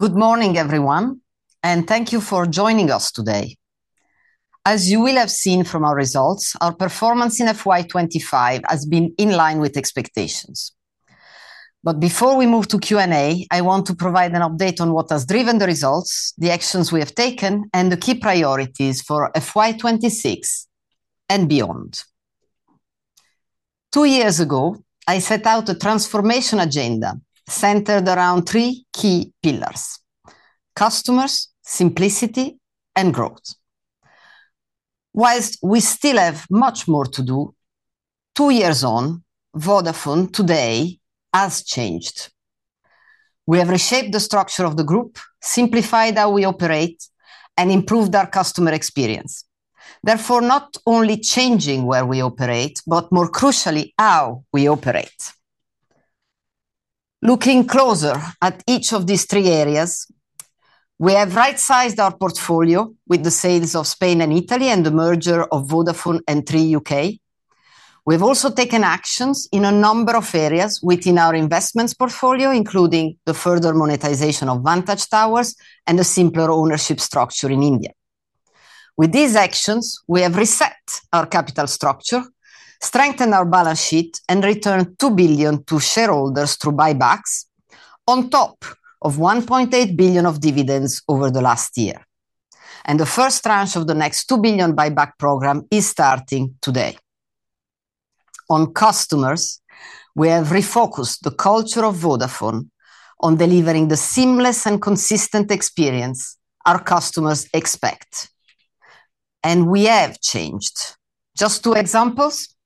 Good morning, everyone, and thank you for joining us today. As you will have seen from our results, our performance in FY2025 has been in line with expectations. Before we move to Q&A, I want to provide an update on what has driven the results, the actions we have taken, and the key priorities for FY2026 and beyond. Two years ago, I set out a transformation agenda centered around three key pillars: customers, simplicity, and growth. Whilst we still have much more to do, two years on, Vodafone today has changed. We have reshaped the structure of the group, simplified how we operate, and improved our customer experience, therefore not only changing where we operate, but more crucially, how we operate. Looking closer at each of these three areas, we have right-sized our portfolio with the sales of Spain and Italy and the merger of Vodafone and Three UK. have also taken actions in a number of areas within our investments portfolio, including the further monetization of Vantage Towers and a simpler ownership structure in India. With these actions, we have reset our capital structure, strengthened our balance sheet, and returned 2 billion to shareholders through buybacks on top of 1.8 billion of dividends over the last year. The first tranche of the next 2 billion buyback program is starting today. On customers, we have refocused the culture of Vodafone on delivering the seamless and consistent experience our customers expect. We have changed. Just two examples: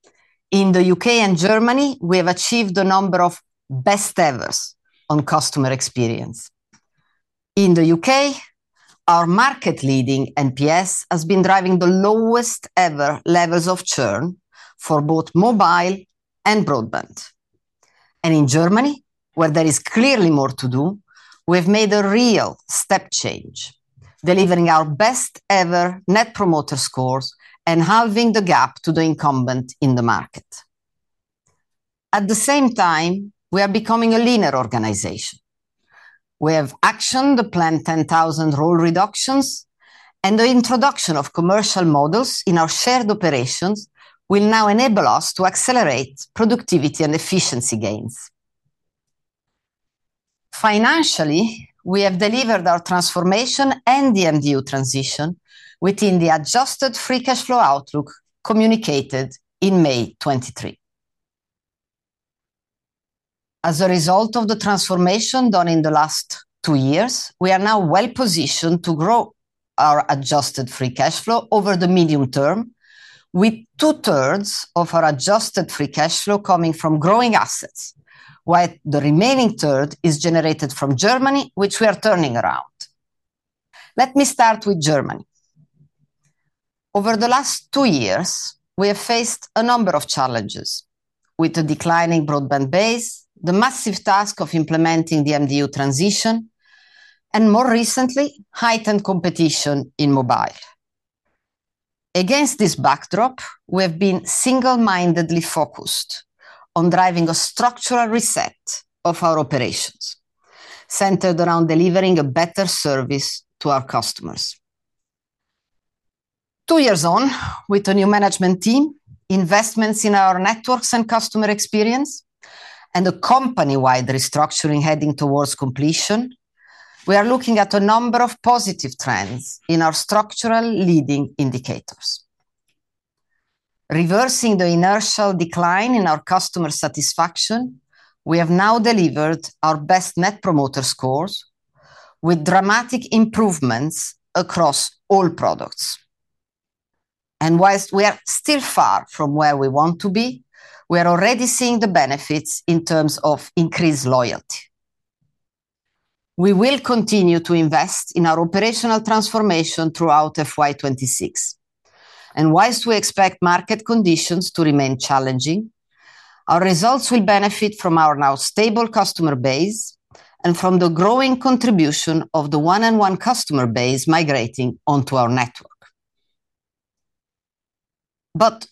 in the U.K. and Germany, we have achieved the number of best-evers on customer experience. In the U.K., our market-leading NPS has been driving the lowest-ever levels of churn for both mobile and broadband. In Germany, where there is clearly more to do, we have made a real step change, delivering our best-ever net promoter scores and halving the gap to the incumbent in the market. At the same time, we are becoming a leaner organization. We have actioned the planned 10,000 role reductions, and the introduction of commercial models in our shared operations will now enable us to accelerate productivity and efficiency gains. Financially, we have delivered our transformation and the MDU transition within the adjusted free cash flow outlook communicated in May 2023. As a result of the transformation done in the last two years, we are now well-positioned to grow our adjusted free cash flow over the medium term, with two-thirds of our adjusted free cash flow coming from growing assets, while the remaining third is generated from Germany, which we are turning around. Let me start with Germany. Over the last two years, we have faced a number of challenges with the declining broadband base, the massive task of implementing the MDU transition, and more recently, heightened competition in mobile. Against this backdrop, we have been single-mindedly focused on driving a structural reset of our operations centered around delivering a better service to our customers. Two years on, with a new management team, investments in our networks and customer experience, and a company-wide restructuring heading towards completion, we are looking at a number of positive trends in our structural leading indicators. Reversing the inertial decline in our customer satisfaction, we have now delivered our best net promoter scores with dramatic improvements across all products. Whilst we are still far from where we want to be, we are already seeing the benefits in terms of increased loyalty. We will continue to invest in our operational transformation throughout FY2026. Whilst we expect market conditions to remain challenging, our results will benefit from our now stable customer base and from the growing contribution of the one-on-one customer base migrating onto our network.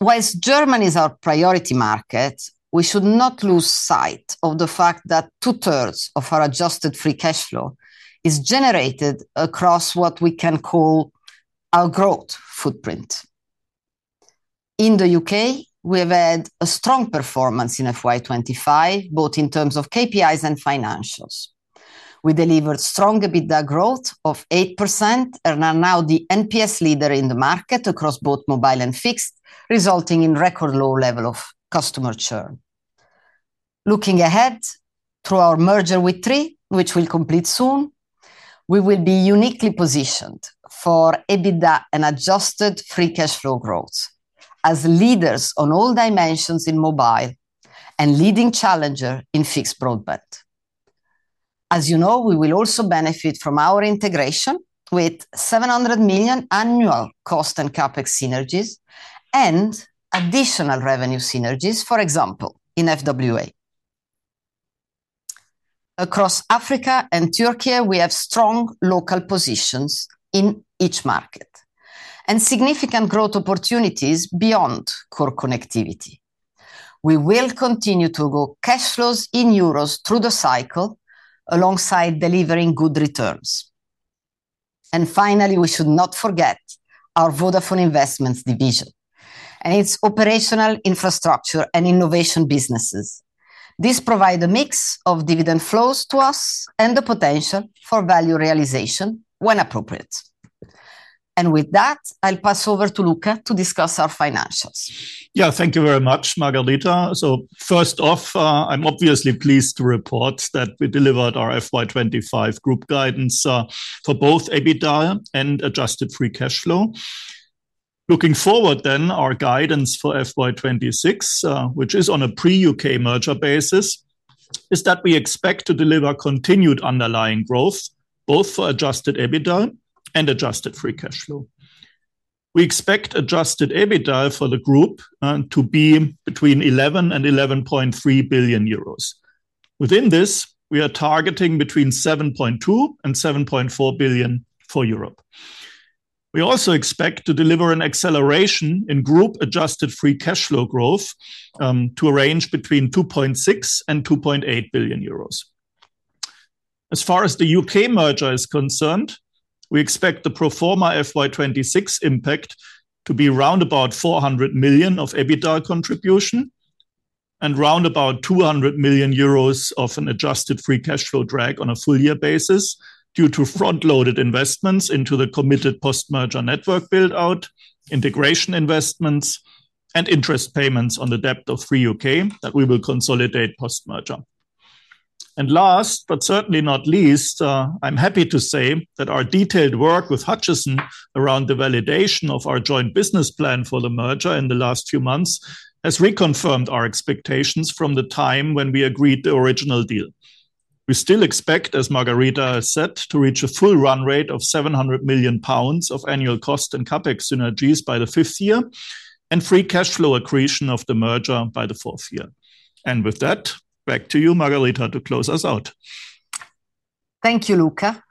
Whilst Germany is our priority market, we should not lose sight of the fact that two-thirds of our adjusted free cash flow is generated across what we can call our growth footprint. In the U.K., we have had a strong performance in FY 2025, both in terms of KPIs and financials. We delivered strong EBITDA growth of 8% and are now the NPS leader in the market across both mobile and fixed, resulting in record-low levels of customer churn. Looking ahead through our merger with Three, which we will complete soon, we will be uniquely positioned for EBITDA and adjusted free cash flow growth as leaders on all dimensions in mobile and leading challenger in fixed broadband. As you know, we will also benefit from our integration with 700 million annual cost and CapEx synergies and additional revenue synergies, for example, in FWA. Across Africa and Turkey, we have strong local positions in each market and significant growth opportunities beyond core connectivity. We will continue to grow cash flows in euros through the cycle alongside delivering good returns. We should not forget our Vodafone Investments division and its operational infrastructure and innovation businesses. These provide a mix of dividend flows to us and the potential for value realization when appropriate. With that, I'll pass over to Luka to discuss our financials. Yeah, thank you very much, Margherita. So first off, I'm obviously pleased to report that we delivered our FY2025 group guidance for both EBITDA and adjusted free cash flow. Looking forward then, our guidance for FY2026, which is on a pre-U.K. merger basis, is that we expect to deliver continued underlying growth both for adjusted EBITDA and adjusted free cash flow. We expect adjusted EBITDA for the group to be between 11 billion and 11.3 billion euros. Within this, we are targeting between 7.2 billion and 7.4 billion for Europe. We also expect to deliver an acceleration in group adjusted free cash flow growth to a range between 2.6 billion and 2.8 billion euros. As far as the U.K. merger is concerned, we expect the pro forma FY2026 impact to be round about 400 million of EBITDA contribution and round about 200 million euros of an adjusted free cash flow drag on a full-year basis due to front-loaded investments into the committed post-merger network build-out, integration investments, and interest payments on the debt of Three U.K. that we will consolidate post-merger. Last, but certainly not least, I'm happy to say that our detailed work with Hutchison around the validation of our joint business plan for the merger in the last few months has reconfirmed our expectations from the time when we agreed the original deal. We still expect, as Margherita said, to reach a full run rate of 700 million pounds of annual cost and CapEx synergies by the fifth year and free cash flow accretion of the merger by the fourth year. With that, back to you, Margherita, to close us out. Thank you, Luka.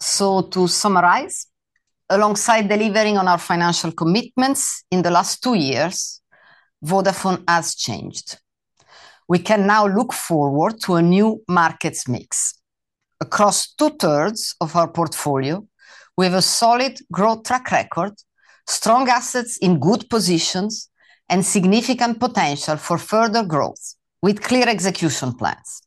To summarize, alongside delivering on our financial commitments in the last two years, Vodafone has changed. We can now look forward to a new markets mix. Across two-thirds of our portfolio, we have a solid growth track record, strong assets in good positions, and significant potential for further growth with clear execution plans.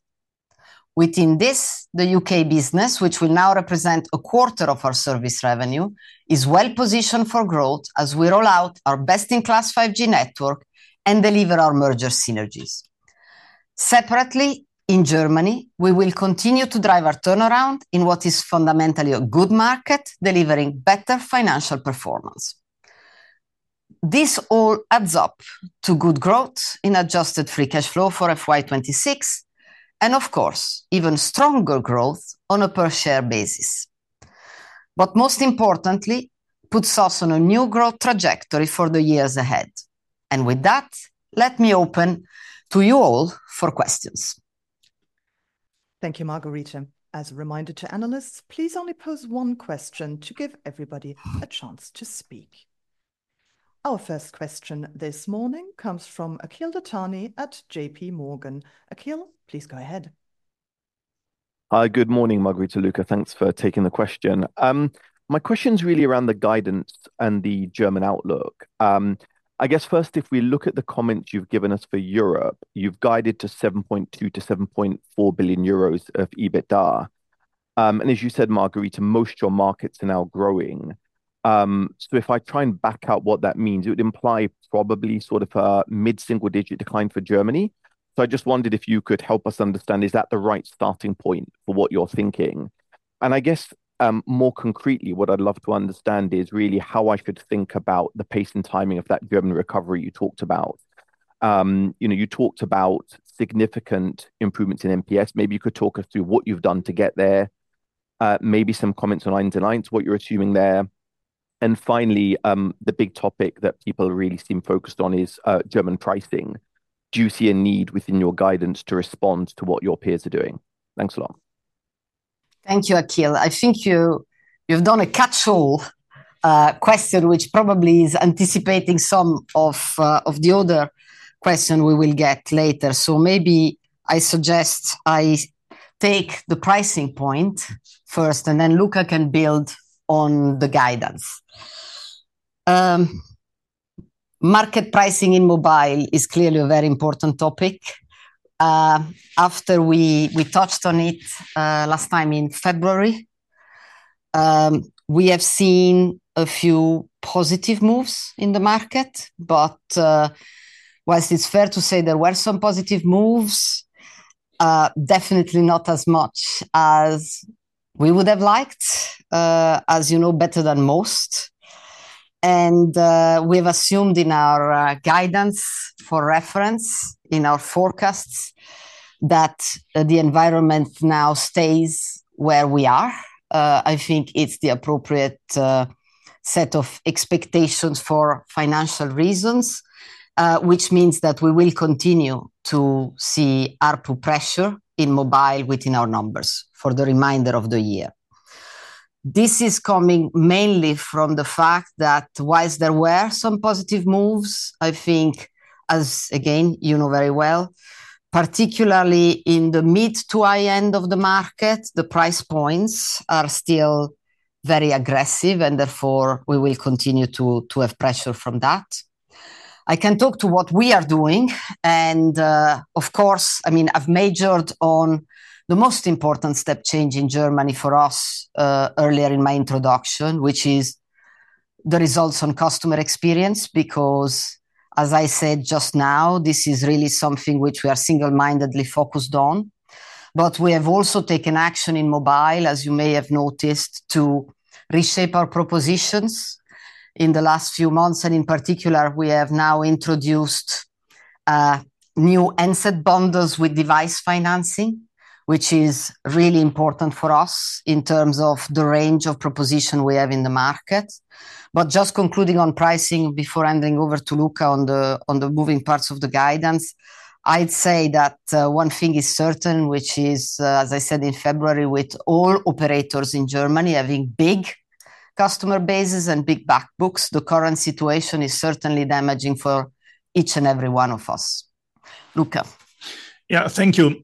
Within this, the U.K. business, which will now represent a quarter of our service revenue, is well-positioned for growth as we roll out our best-in-class 5G network and deliver our merger synergies. Separately, in Germany, we will continue to drive our turnaround in what is fundamentally a good market, delivering better financial performance. This all adds up to good growth in adjusted free cash flow for FY 2026 and, of course, even stronger growth on a per-share basis. Most importantly, it puts us on a new growth trajectory for the years ahead. With that, let me open to you all for questions. Thank you, Margherita. As a reminder to analysts, please only pose one question to give everybody a chance to speak. Our first question this morning comes from Akhil Dattani at JP Morgan. Akhil, please go ahead. Hi, good morning, Margherita, Luka. Thanks for taking the question. My question's really around the guidance and the German outlook. I guess first, if we look at the comments you've given us for Europe, you've guided to 7.2-7.4 billion euros of EBITDA. As you said, Margherita, most of your markets are now growing. If I try and back out what that means, it would imply probably sort of a mid-single-digit decline for Germany. I just wondered if you could help us understand, is that the right starting point for what you're thinking? More concretely, what I'd love to understand is really how I should think about the pace and timing of that German recovery you talked about. You talked about significant improvements in NPS. Maybe you could talk us through what you've done to get there, maybe some comments on earnings and lines, what you're assuming there. Finally, the big topic that people really seem focused on is German pricing. Do you see a need within your guidance to respond to what your peers are doing? Thanks a lot. Thank you, Akhil. I think you've done a catch-all question, which probably is anticipating some of the other questions we will get later. Maybe I suggest I take the pricing point first, and then Luka can build on the guidance. Market pricing in mobile is clearly a very important topic. After we touched on it last time in February, we have seen a few positive moves in the market. While it's fair to say there were some positive moves, definitely not as much as we would have liked, as you know, better than most. We've assumed in our guidance for reference, in our forecasts, that the environment now stays where we are. I think it's the appropriate set of expectations for financial reasons, which means that we will continue to see ARPU pressure in mobile within our numbers for the remainder of the year. This is coming mainly from the fact that whilst there were some positive moves, I think, as again, you know very well, particularly in the mid to high end of the market, the price points are still very aggressive, and therefore we will continue to have pressure from that. I can talk to what we are doing. Of course, I mean, I've majored on the most important step change in Germany for us earlier in my introduction, which is the results on customer experience, because as I said just now, this is really something which we are single-mindedly focused on. We have also taken action in mobile, as you may have noticed, to reshape our propositions in the last few months. In particular, we have now introduced new NSET bundles with device financing, which is really important for us in terms of the range of proposition we have in the market. Just concluding on pricing before handing over to Luka on the moving parts of the guidance, I'd say that one thing is certain, which is, as I said in February, with all operators in Germany having big customer bases and big backbooks, the current situation is certainly damaging for each and every one of us. Luka. Yeah, thank you.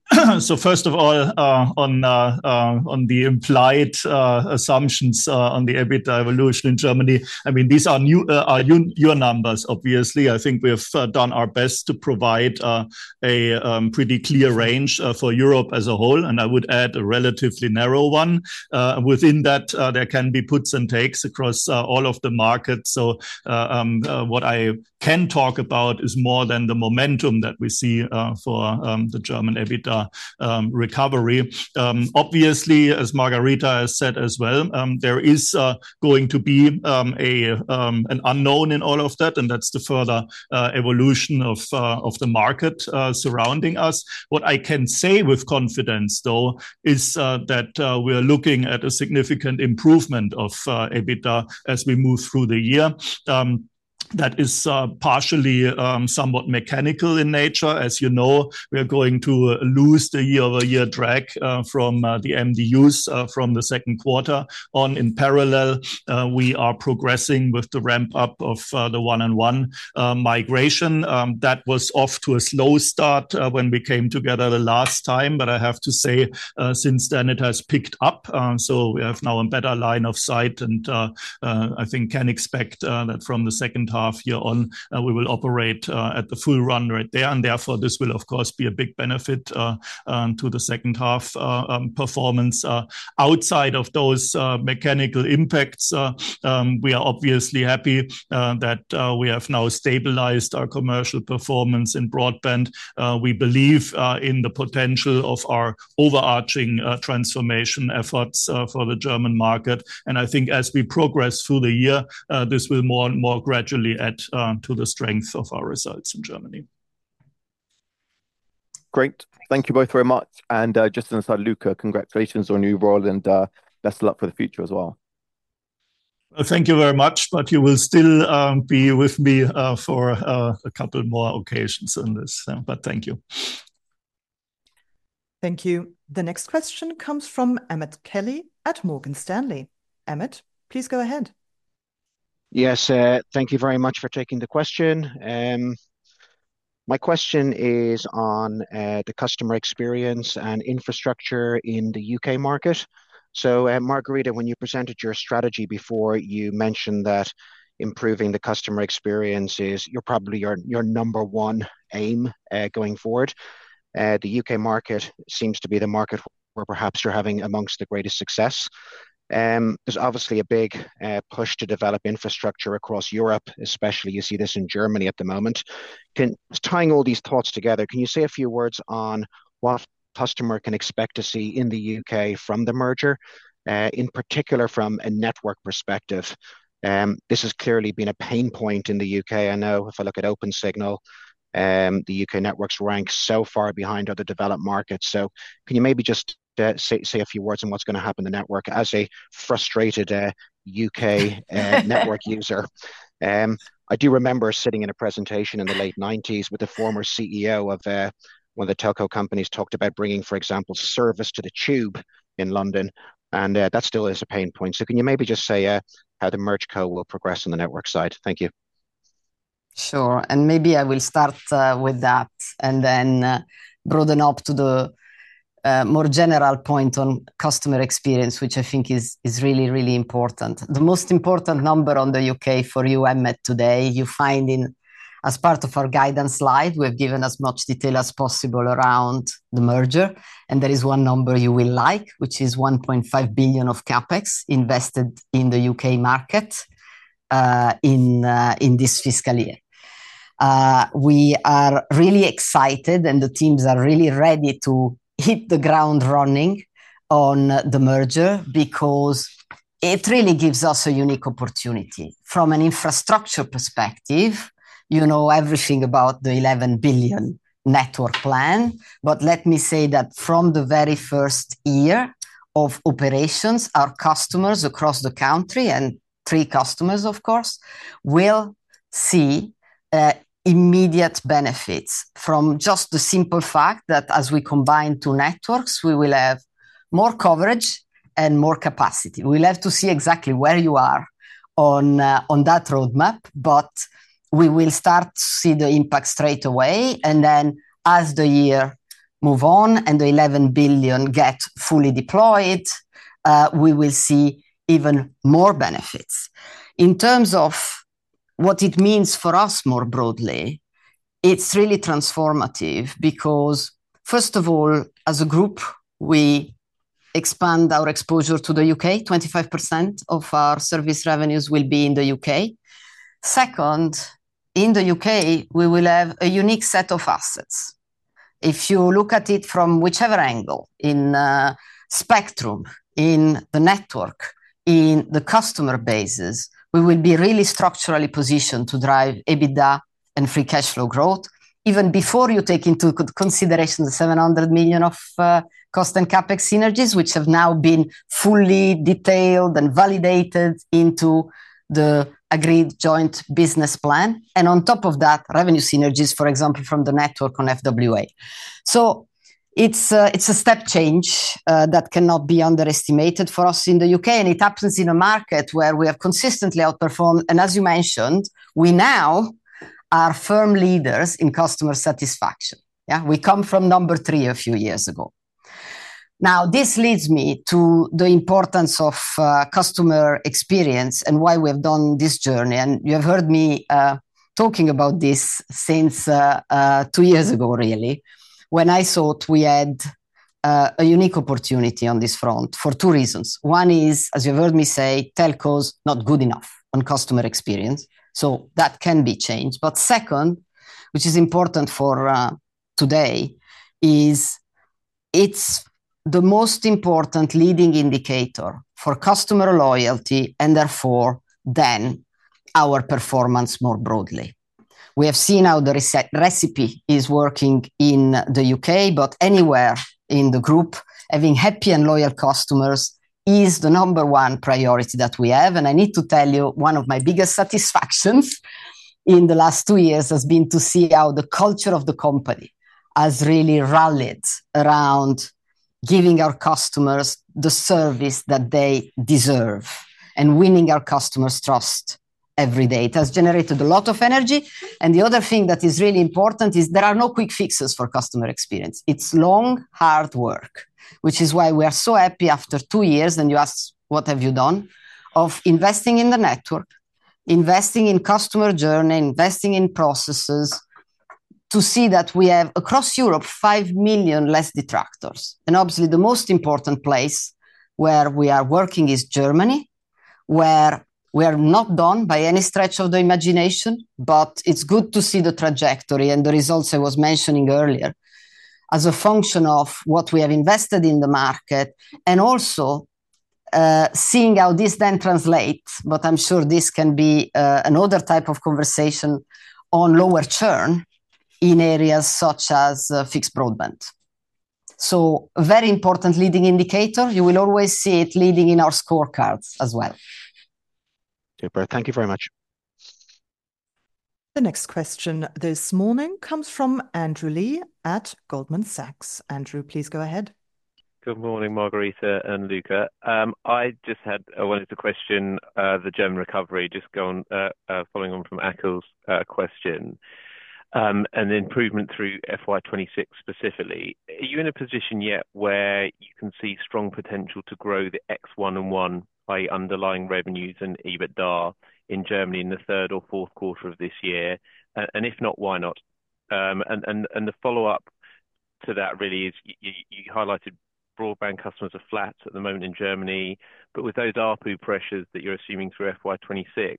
First of all, on the implied assumptions on the EBITDA evolution in Germany, I mean, these are your numbers, obviously. I think we have done our best to provide a pretty clear range for Europe as a whole. I would add a relatively narrow one. Within that, there can be puts and takes across all of the markets. What I can talk about is more the momentum that we see for the German EBITDA recovery. Obviously, as Margherita has said as well, there is going to be an unknown in all of that, and that's the further evolution of the market surrounding us. What I can say with confidence, though, is that we are looking at a significant improvement of EBITDA as we move through the year. That is partially somewhat mechanical in nature. As you know, we are going to lose the year-over-year drag from the MDUs from the second quarter on. In parallel, we are progressing with the ramp-up of the one-on-one migration. That was off to a slow start when we came together the last time, but I have to say since then it has picked up. We have now a better line of sight, and I think can expect that from the second half year on, we will operate at the full run right there. Therefore, this will, of course, be a big benefit to the second half performance. Outside of those mechanical impacts, we are obviously happy that we have now stabilized our commercial performance in broadband. We believe in the potential of our overarching transformation efforts for the German market. I think as we progress through the year, this will more and more gradually add to the strength of our results in Germany. Great. Thank you both very much. Just to start, Luka, congratulations on your role and best of luck for the future as well. Thank you very much, but you will still be with me for a couple more occasions on this. Thank you. Thank you. The next question comes from Emmett Kelly at Morgan Stanley. Emmett, please go ahead. Yes, thank you very much for taking the question. My question is on the customer experience and infrastructure in the U.K. market. Margherita, when you presented your strategy before, you mentioned that improving the customer experience is probably your number one aim going forward. The U.K. market seems to be the market where perhaps you're having amongst the greatest success. There's obviously a big push to develop infrastructure across Europe, especially you see this in Germany at the moment. Tying all these thoughts together, can you say a few words on what customer can expect to see in the U.K. from the merger, in particular from a network perspective? This has clearly been a pain point in the U.K. I know if I look at OpenSignal, the U.K. networks rank so far behind other developed markets. Can you maybe just say a few words on what's going to happen to the network as a frustrated U.K. network user? I do remember sitting in a presentation in the late 1990s with the former CEO of one of the telco companies who talked about bringing, for example, service to the Tube in London. That still is a pain point. Can you maybe just say how the merge co will progress on the network side? Thank you. Sure. Maybe I will start with that and then broaden up to the more general point on customer experience, which I think is really, really important. The most important number on the U.K. for you, Emmett, today, you find in as part of our guidance slide, we have given as much detail as possible around the merger. There is one number you will like, which is 1.5 billion of CapEx invested in the U.K. market in this fiscal year. We are really excited, and the teams are really ready to hit the ground running on the merger because it really gives us a unique opportunity. From an infrastructure perspective, you know everything about the 11 billion network plan. Let me say that from the very first year of operations, our customers across the country, and Three customers, of course, will see immediate benefits from just the simple fact that as we combine two networks, we will have more coverage and more capacity. We will have to see exactly where you are on that roadmap, but we will start to see the impact straight away. As the years move on and the 11 billion get fully deployed, we will see even more benefits. In terms of what it means for us more broadly, it is really transformative because first of all, as a group, we expand our exposure to the U.K. 25% of our service revenues will be in the U.K. Second, in the U.K., we will have a unique set of assets. If you look at it from whichever angle in spectrum, in the network, in the customer bases, we will be really structurally positioned to drive EBITDA and free cash flow growth, even before you take into consideration the 700 million of cost and CapEx synergies, which have now been fully detailed and validated into the agreed joint business plan. On top of that, revenue synergies, for example, from the network on FWA. It is a step change that cannot be underestimated for us in the U.K. It happens in a market where we have consistently outperformed. As you mentioned, we now are firm leaders in customer satisfaction. We come from number three a few years ago. Now, this leads me to the importance of customer experience and why we have done this journey. You have heard me talking about this since two years ago, really, when I thought we had a unique opportunity on this front for two reasons. One is, as you've heard me say, telcos not good enough on customer experience. That can be changed. Second, which is important for today, is it's the most important leading indicator for customer loyalty and therefore our performance more broadly. We have seen how the recipe is working in the U.K., but anywhere in the group, having happy and loyal customers is the number one priority that we have. I need to tell you, one of my biggest satisfactions in the last two years has been to see how the culture of the company has really rallied around giving our customers the service that they deserve and winning our customers' trust every day. It has generated a lot of energy. The other thing that is really important is there are no quick fixes for customer experience. It is long, hard work, which is why we are so happy after two years, and you asked, what have you done of investing in the network, investing in customer journey, investing in processes to see that we have across Europe 5 million less detractors. Obviously, the most important place where we are working is Germany, where we are not done by any stretch of the imagination, but it is good to see the trajectory and the results I was mentioning earlier as a function of what we have invested in the market and also seeing how this then translates. I am sure this can be another type of conversation on lower churn in areas such as fixed broadband. Very important leading indicator. You will always see it leading in our scorecards as well. Super. Thank you very much. The next question this morning comes from Andrew Lee at Goldman Sachs. Andrew, please go ahead. Good morning, Margherita and Luka. I just had I wanted to question the German recovery, just going following on from Akhil's question and the improvement through FY2026 specifically. Are you in a position yet where you can see strong potential to grow the X1 and 1, i.e., underlying revenues and EBITDA in Germany in the third or fourth quarter of this year? If not, why not? The follow-up to that really is you highlighted broadband customers are flat at the moment in Germany, but with those ARPU pressures that you're assuming through FY2026,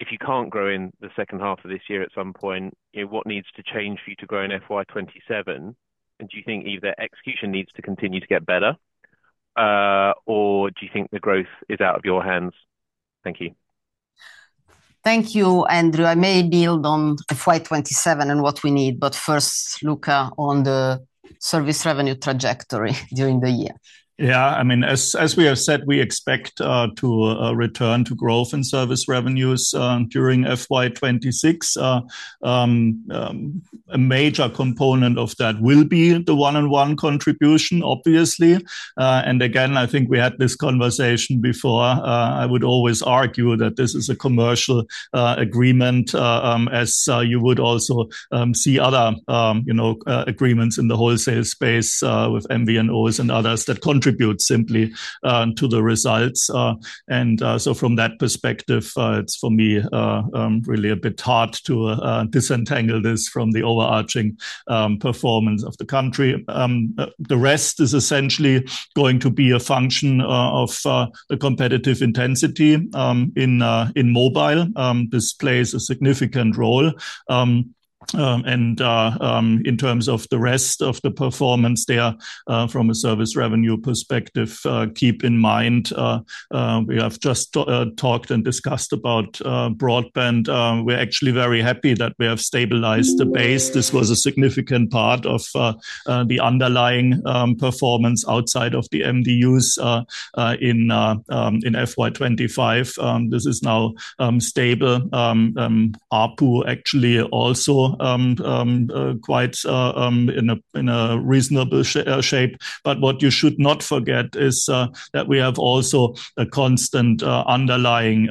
if you can't grow in the second half of this year at some point, what needs to change for you to grow in FY2027? Do you think either execution needs to continue to get better, or do you think the growth is out of your hands? Thank you. Thank you, Andrew. I may build on FY2027 and what we need, but first, Luka, on the service revenue trajectory during the year. Yeah, I mean, as we have said, we expect to return to growth in service revenues during FY2026. A major component of that will be the one-on-one contribution, obviously. I think we had this conversation before. I would always argue that this is a commercial agreement, as you would also see other agreements in the wholesale space with MVNOs and others that contribute simply to the results. From that perspective, it's for me really a bit hard to disentangle this from the overarching performance of the country. The rest is essentially going to be a function of the competitive intensity in mobile. This plays a significant role. In terms of the rest of the performance there from a service revenue perspective, keep in mind we have just talked and discussed about broadband. We're actually very happy that we have stabilized the base. This was a significant part of the underlying performance outside of the MDUs in FY2025. This is now stable. ARPU actually also quite in a reasonable shape. What you should not forget is that we have also a constant underlying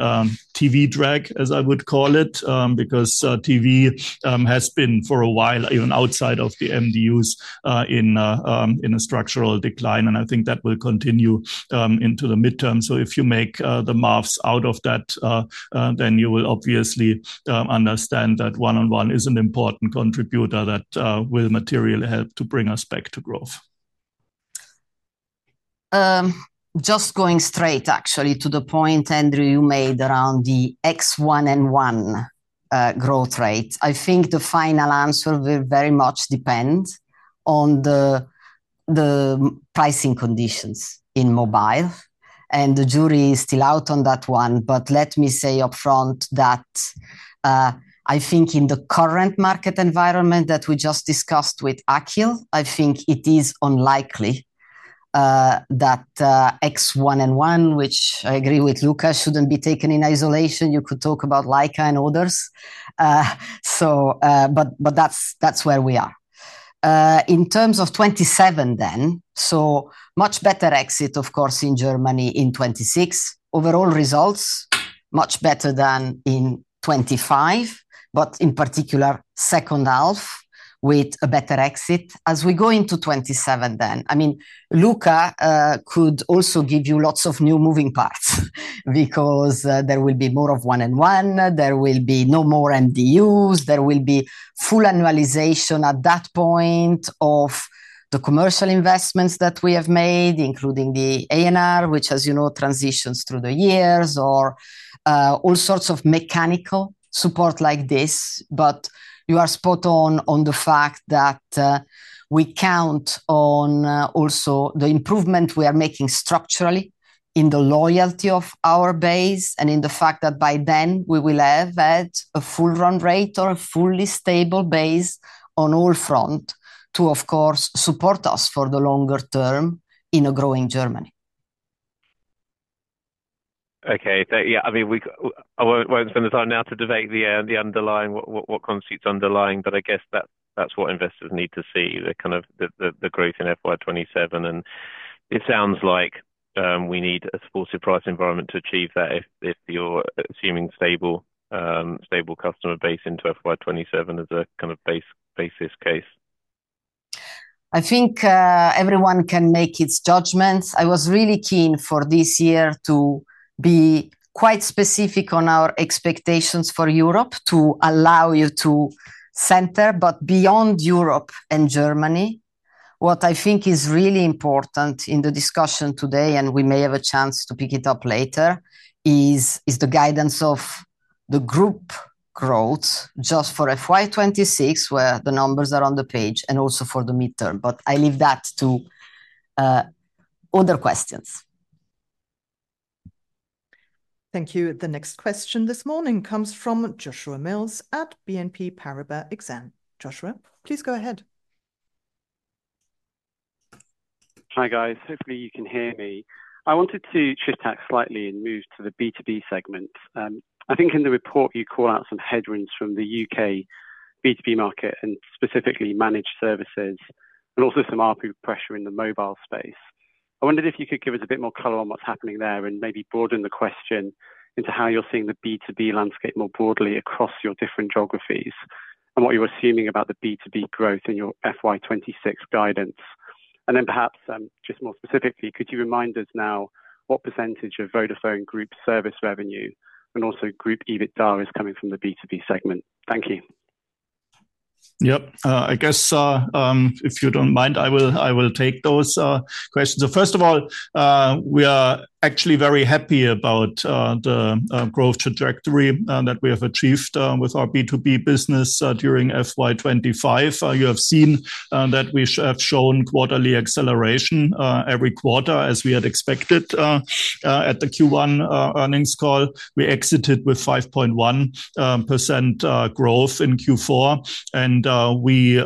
TV drag, as I would call it, because TV has been for a while even outside of the MDUs in a structural decline. I think that will continue into the midterm. If you make the maths out of that, then you will obviously understand that 1&1 is an important contributor that will materially help to bring us back to growth. Just going straight actually to the point, Andrew, you made around the X1 and 1 growth rate, I think the final answer will very much depend on the pricing conditions in mobile. The jury is still out on that one. Let me say upfront that I think in the current market environment that we just discussed with Akhil, I think it is unlikely that X1 and 1, which I agree with Luka, should not be taken in isolation. You could talk about Leica and others. That is where we are. In terms of 2027 then, much better exit, of course, in Germany in 2026. Overall results, much better than in 2025, but in particular second half with a better exit. As we go into 2027 then, I mean, Luka could also give you lots of new moving parts because there will be more of one-on-one. There will be no more MDUs. There will be full annualization at that point of the commercial investments that we have made, including the ANR, which, as you know, transitions through the years, or all sorts of mechanical support like this. You are spot on on the fact that we count on also the improvement we are making structurally in the loyalty of our base and in the fact that by then we will have had a full run rate or a fully stable base on all front to, of course, support us for the longer term in a growing Germany. Okay. Yeah, I mean, I won't spend the time now to debate the underlying, what constitutes underlying, but I guess that's what investors need to see, the kind of the growth in FY2027. It sounds like we need a supportive price environment to achieve that if you're assuming stable customer base into FY2027 as a kind of basis case. I think everyone can make its judgments. I was really keen for this year to be quite specific on our expectations for Europe to allow you to center. Beyond Europe and Germany, what I think is really important in the discussion today, and we may have a chance to pick it up later, is the guidance of the group growth just for FY2026, where the numbers are on the page, and also for the midterm. I leave that to other questions. Thank you. The next question this morning comes from Joshua Mills at BNP Paribas Exane. Joshua, please go ahead. Hi guys. Hopefully you can hear me. I wanted to shift tack slightly and move to the B2B segment. I think in the report you call out some headwinds from the U.K. B2B market and specifically managed services, and also some ARPU pressure in the mobile space. I wondered if you could give us a bit more color on what's happening there and maybe broaden the question into how you're seeing the B2B landscape more broadly across your different geographies and what you're assuming about the B2B growth in your FY2026 guidance. Then perhaps just more specifically, could you remind us now what percentage of Vodafone Group service revenue and also group EBITDA is coming from the B2B segment? Thank you. Yep. I guess if you do not mind, I will take those questions. First of all, we are actually very happy about the growth trajectory that we have achieved with our B2B business during FY2025. You have seen that we have shown quarterly acceleration every quarter as we had expected at the Q1 earnings call. We exited with 5.1% growth in Q4. We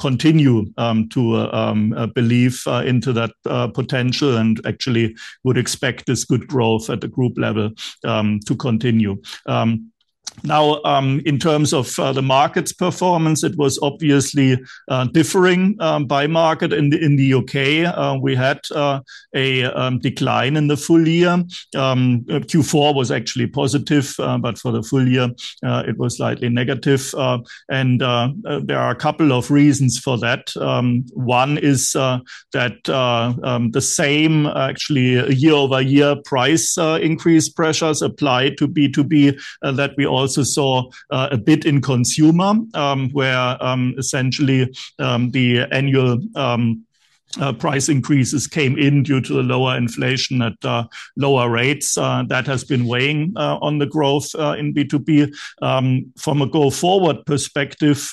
continue to believe in that potential and actually would expect this good growth at the group level to continue. In terms of the market's performance, it was obviously differing by market. In the U.K., we had a decline in the full year. Q4 was actually positive, but for the full year, it was slightly negative. There are a couple of reasons for that. One is that the same, actually year-over-year price increase pressures applied to B2B that we also saw a bit in consumer, where essentially the annual price increases came in due to the lower inflation at lower rates that has been weighing on the growth in B2B. From a go forward perspective,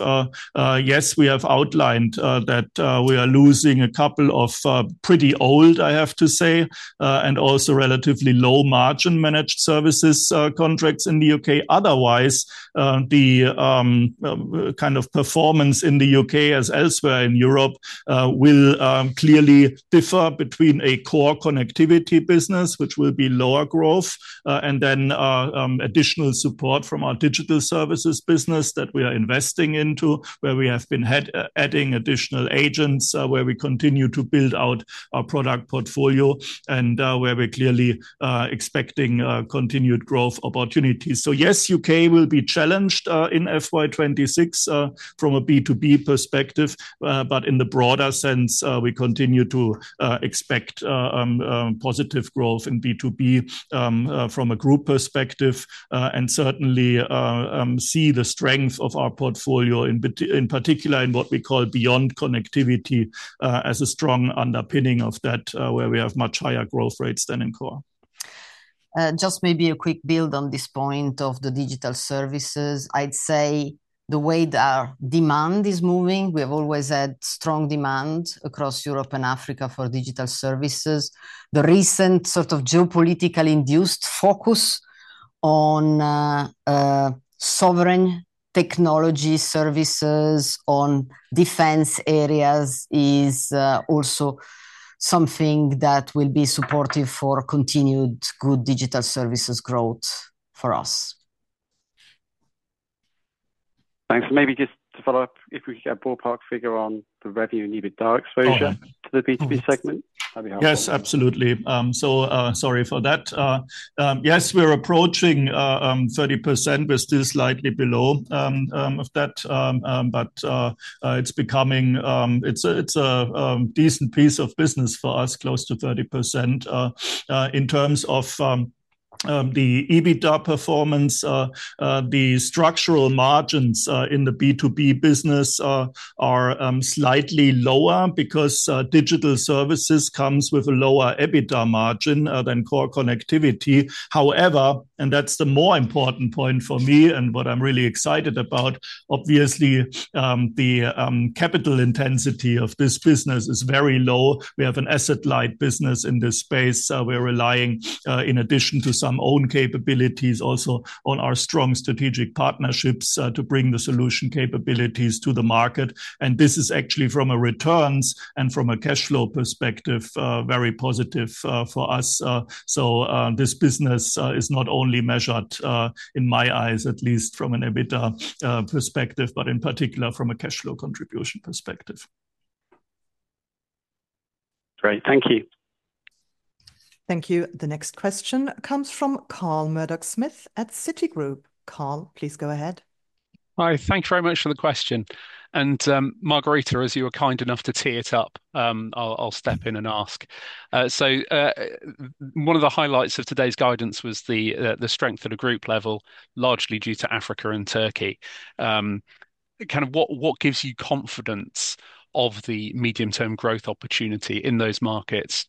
yes, we have outlined that we are losing a couple of pretty old, I have to say, and also relatively low margin managed services contracts in the U.K. Otherwise, the kind of performance in the U.K. as elsewhere in Europe will clearly differ between a core connectivity business, which will be lower growth, and then additional support from our digital services business that we are investing into, where we have been adding additional agents, where we continue to build out our product portfolio, and where we're clearly expecting continued growth opportunities. Yes, U.K. will be challenged in FY2026 from a B2B perspective, but in the broader sense, we continue to expect positive growth in B2B from a group perspective and certainly see the strength of our portfolio, in particular in what we call beyond connectivity as a strong underpinning of that, where we have much higher growth rates than in core. Just maybe a quick build on this point of the digital services. I'd say the way our demand is moving, we have always had strong demand across Europe and Africa for digital services. The recent sort of geopolitically induced focus on sovereign technology services on defense areas is also something that will be supportive for continued good digital services growth for us. Thanks. Maybe just to follow up, if we could get a ballpark figure on the revenue and EBITDA exposure to the B2B segment, that'd be helpful. Yes, absolutely. Sorry for that. Yes, we're approaching 30%. We're still slightly below that, but it's becoming a decent piece of business for us, close to 30%. In terms of the EBITDA performance, the structural margins in the B2B business are slightly lower because digital services comes with a lower EBITDA margin than core connectivity. However, and that's the more important point for me and what I'm really excited about, obviously the capital intensity of this business is very low. We have an asset-light business in this space. We're relying, in addition to some own capabilities, also on our strong strategic partnerships to bring the solution capabilities to the market. This is actually from a returns and from a cash flow perspective, very positive for us. This business is not only measured, in my eyes, at least from an EBITDA perspective, but in particular from a cash flow contribution perspective. Great. Thank you. Thank you. The next question comes from Carl Murdock-Smith at Citigroup. Carl, please go ahead. Hi, thanks very much for the question. Margherita, as you were kind enough to tee it up, I'll step in and ask. One of the highlights of today's guidance was the strength at a group level, largely due to Africa and Turkey. What gives you confidence of the medium-term growth opportunity in those markets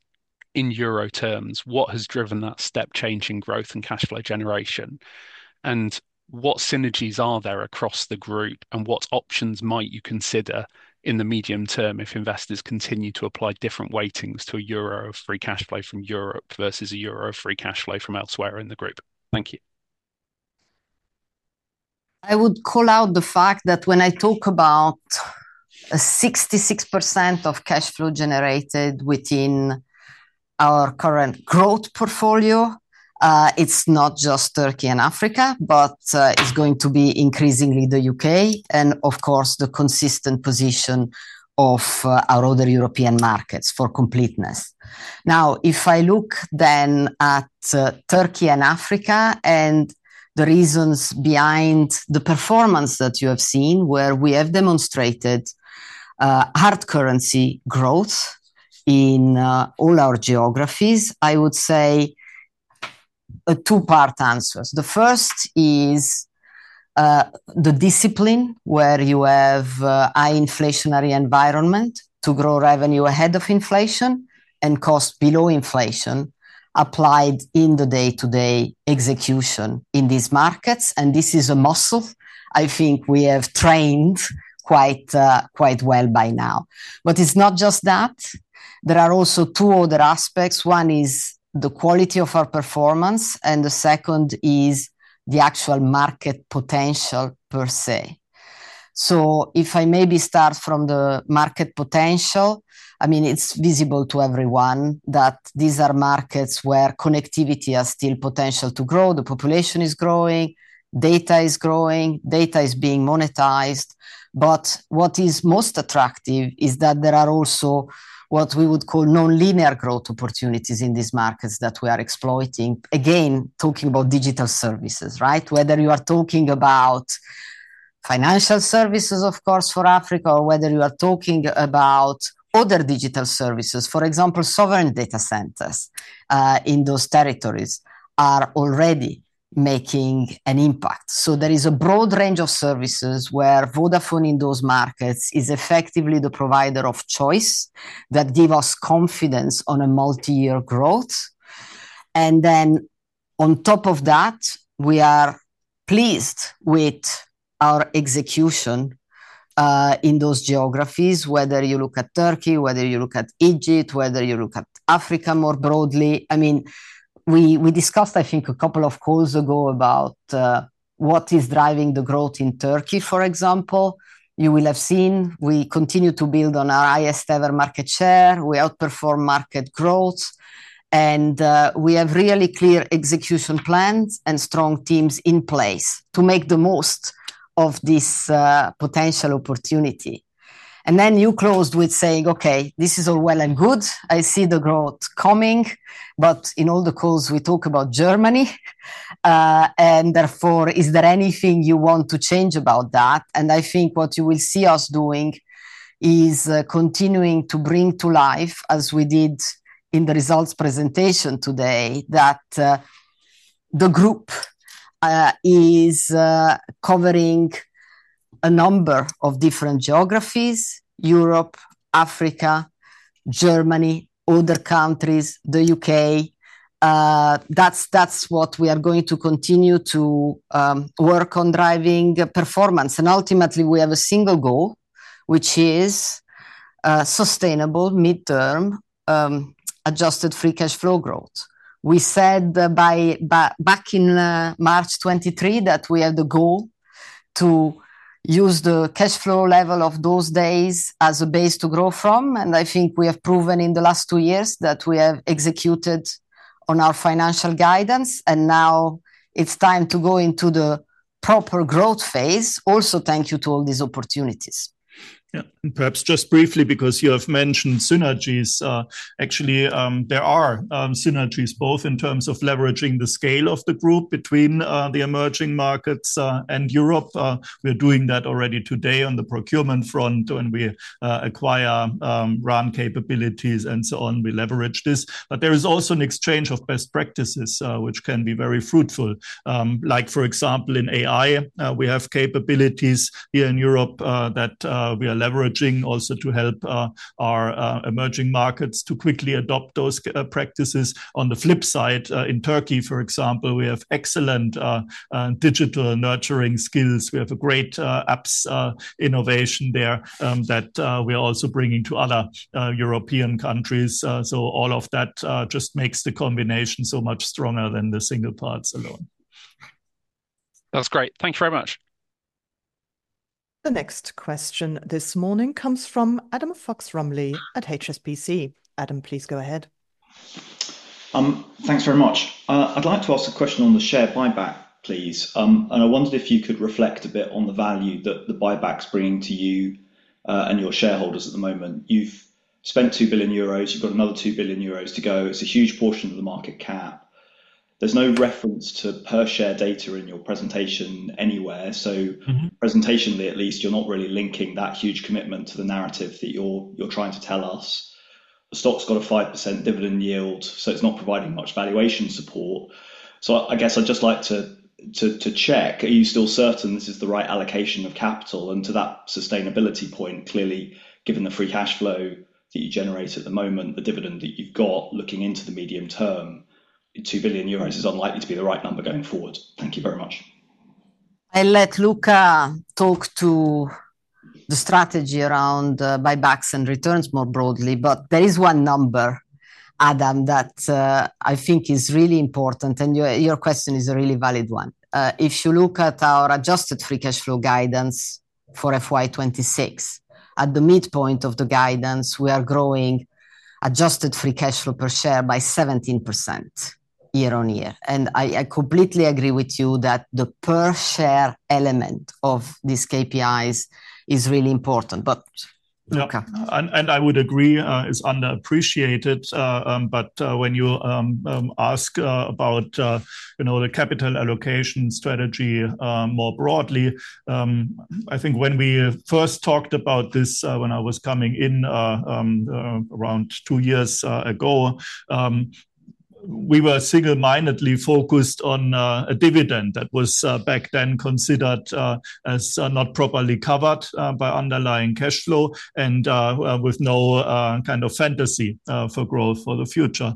in EUR terms? What has driven that step change in growth and cash flow generation? What synergies are there across the group? What options might you consider in the medium term if investors continue to apply different weightings to a EUR of free cash flow from Europe versus a EUR of free cash flow from elsewhere in the group? Thank you. I would call out the fact that when I talk about 66% of cash flow generated within our current growth portfolio, it's not just Turkey and Africa, but it's going to be increasingly the U.K. and, of course, the consistent position of our other European markets for completeness. Now, if I look then at Turkey and Africa and the reasons behind the performance that you have seen, where we have demonstrated hard currency growth in all our geographies, I would say two part answers. The first is the discipline where you have a high inflationary environment to grow revenue ahead of inflation and cost below inflation applied in the day-to-day execution in these markets. This is a muscle I think we have trained quite well by now. It's not just that. There are also two other aspects. One is the quality of our performance, and the second is the actual market potential per se. If I maybe start from the market potential, I mean, it's visible to everyone that these are markets where connectivity has still potential to grow. The population is growing, data is growing, data is being monetized. What is most attractive is that there are also what we would call non-linear growth opportunities in these markets that we are exploiting. Again, talking about digital services, right? Whether you are talking about financial services, of course, for Africa, or whether you are talking about other digital services, for example, sovereign data centers in those territories are already making an impact. There is a broad range of services where Vodafone in those markets is effectively the provider of choice that gives us confidence on a multi-year growth. Then on top of that, we are pleased with our execution in those geographies, whether you look at Turkey, whether you look at Egypt, whether you look at Africa more broadly. I mean, we discussed, I think, a couple of calls ago about what is driving the growth in Turkey, for example. You will have seen we continue to build on our highest ever market share. We outperform market growth, and we have really clear execution plans and strong teams in place to make the most of this potential opportunity. You closed with saying, "Okay, this is all well and good. I see the growth coming." In all the calls, we talk about Germany. Therefore, is there anything you want to change about that? I think what you will see us doing is continuing to bring to life, as we did in the results presentation today, that the group is covering a number of different geographies: Europe, Africa, Germany, other countries, the U.K. That is what we are going to continue to work on driving performance. Ultimately, we have a single goal, which is sustainable midterm adjusted free cash flow growth. We said back in March 2023 that we had the goal to use the cash flow level of those days as a base to grow from. I think we have proven in the last two years that we have executed on our financial guidance. Now it is time to go into the proper growth phase. Also, thank you to all these opportunities. Yeah. Perhaps just briefly, because you have mentioned synergies, actually there are synergies, both in terms of leveraging the scale of the group between the emerging markets and Europe. We are doing that already today on the procurement front when we acquire run capabilities and so on. We leverage this. There is also an exchange of best practices, which can be very fruitful. Like for example, in AI, we have capabilities here in Europe that we are leveraging also to help our emerging markets to quickly adopt those practices. On the flip side, in Turkey, for example, we have excellent digital nurturing skills. We have a great apps innovation there that we are also bringing to other European countries. All of that just makes the combination so much stronger than the single parts alone. That was great. Thank you very much. The next question this morning comes from Adam Fox-Rumley at HSBC. Adam, please go ahead. Thanks very much. I'd like to ask a question on the share buyback, please. I wondered if you could reflect a bit on the value that the buyback's bringing to you and your shareholders at the moment. You've spent 2 billion euros. You've got another 2 billion euros to go. It's a huge portion of the market cap. There's no reference to per share data in your presentation anywhere. Presentationally, at least, you're not really linking that huge commitment to the narrative that you're trying to tell us. The stock's got a 5% dividend yield, so it's not providing much valuation support. I guess I'd just like to check, are you still certain this is the right allocation of capital? To that sustainability point, clearly, given the free cash flow that you generate at the moment, the dividend that you've got looking into the medium term, 2 billion euros is unlikely to be the right number going forward. Thank you very much. I'll let Luka talk to the strategy around buybacks and returns more broadly. There is one number, Adam, that I think is really important. Your question is a really valid one. If you look at our adjusted free cash flow guidance for FY2026, at the midpoint of the guidance, we are growing adjusted free cash flow per share by 17% year on year. I completely agree with you that the per share element of these KPIs is really important. Luka. I would agree is underappreciated. When you ask about the capital allocation strategy more broadly, I think when we first talked about this when I was coming in around two years ago, we were single-mindedly focused on a dividend that was back then considered as not properly covered by underlying cash flow and with no kind of fantasy for growth for the future.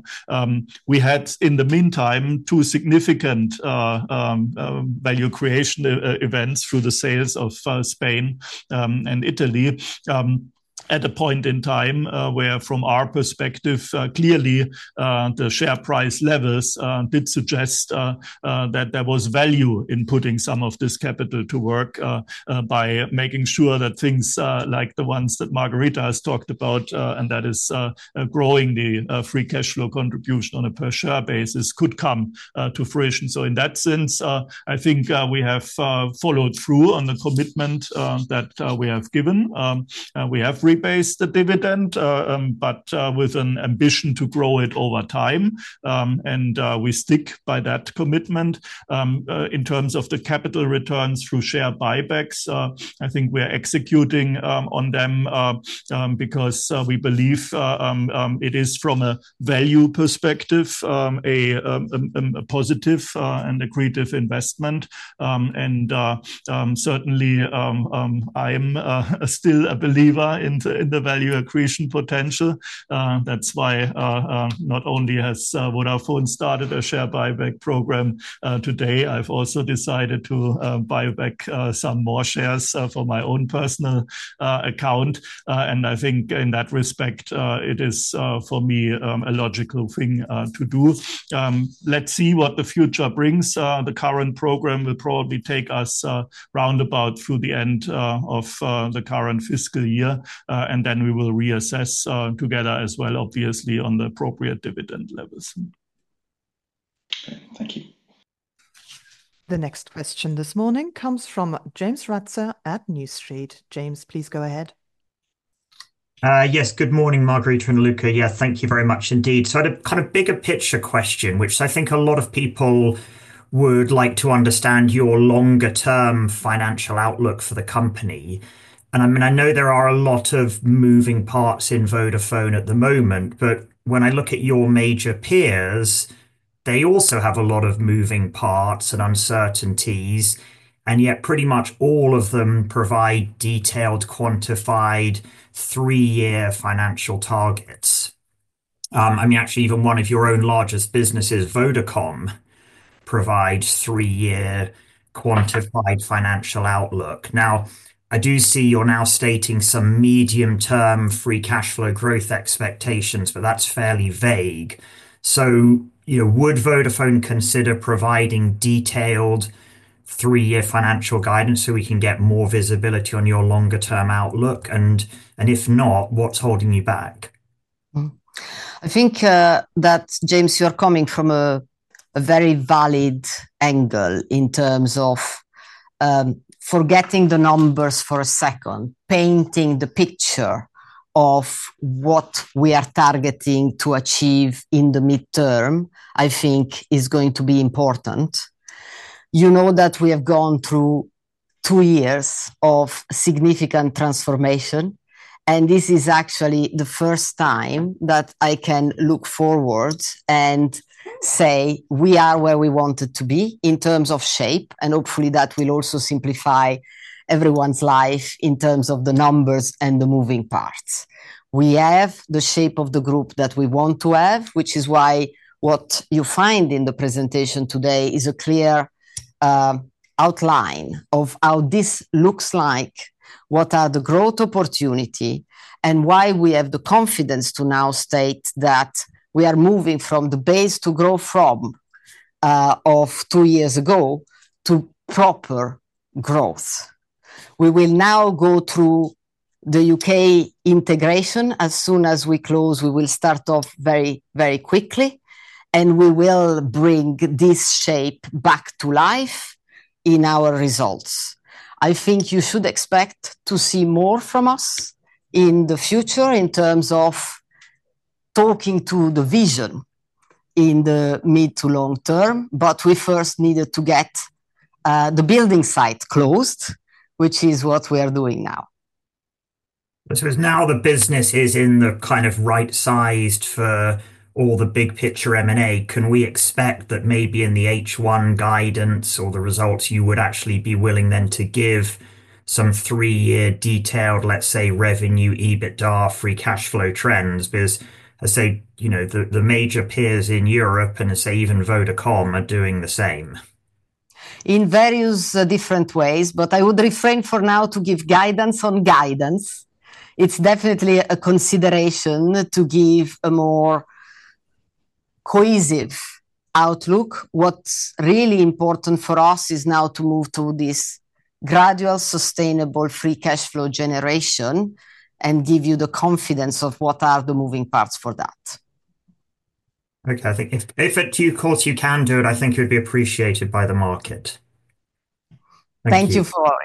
We had, in the meantime, two significant value creation events through the sales of Spain and Italy at a point in time where, from our perspective, clearly the share price levels did suggest that there was value in putting some of this capital to work by making sure that things like the ones that Margherita has talked about, and that is growing the free cash flow contribution on a per share basis, could come to fruition. In that sense, I think we have followed through on the commitment that we have given. We have rebased the dividend, but with an ambition to grow it over time. We stick by that commitment. In terms of the capital returns through share buybacks, I think we're executing on them because we believe it is, from a value perspective, a positive and accretive investment. Certainly, I am still a believer in the value accretion potential. That's why not only has Vodafone started a share buyback program today, I've also decided to buy back some more shares for my own personal account. I think in that respect, it is for me a logical thing to do. Let's see what the future brings. The current program will probably take us round about through the end of the current fiscal year. We will reassess together as well, obviously, on the appropriate dividend levels. Thank you. The next question this morning comes from James Ratzer at New Street. James, please go ahead. Yes. Good morning, Margherita and Luka. Yeah, thank you very much indeed. I had a kind of bigger picture question, which I think a lot of people would like to understand your longer-term financial outlook for the company. I mean, I know there are a lot of moving parts in Vodafone at the moment, but when I look at your major peers, they also have a lot of moving parts and uncertainties. Yet pretty much all of them provide detailed quantified three-year financial targets. I mean, actually, even one of your own largest businesses, Vodacom, provides three-year quantified financial outlook. Now, I do see you're now stating some medium-term free cash flow growth expectations, but that's fairly vague. Would Vodafone consider providing detailed three-year financial guidance so we can get more visibility on your longer-term outlook? If not, what's holding you back? I think that, James, you are coming from a very valid angle in terms of forgetting the numbers for a second, painting the picture of what we are targeting to achieve in the midterm, I think, is going to be important. You know that we have gone through two years of significant transformation. This is actually the first time that I can look forward and say we are where we wanted to be in terms of shape. Hopefully, that will also simplify everyone's life in terms of the numbers and the moving parts. We have the shape of the group that we want to have, which is why what you find in the presentation today is a clear outline of how this looks like, what are the growth opportunities, and why we have the confidence to now state that we are moving from the base to grow from of two years ago to proper growth. We will now go through the U.K. integration. As soon as we close, we will start off very, very quickly. We will bring this shape back to life in our results. I think you should expect to see more from us in the future in terms of talking to the vision in the mid to long term. We first needed to get the building site closed, which is what we are doing now. Now the business is in the kind of right sized for all the big picture M&A. Can we expect that maybe in the H1 guidance or the results you would actually be willing then to give some three-year detailed, let's say, revenue EBITDA free cash flow trends? Because I say the major peers in Europe and I say even Vodacom are doing the same. In various different ways. I would refrain for now to give guidance on guidance. It is definitely a consideration to give a more cohesive outlook. What is really important for us is now to move to this gradual sustainable free cash flow generation and give you the confidence of what are the moving parts for that. Okay. I think if at two calls you can do it, I think it would be appreciated by the market. Thank you for.